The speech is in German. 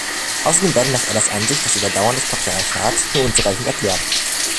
Außerdem werde nach Ellers Ansicht das Überdauern des Patriarchats nur unzureichend erklärt.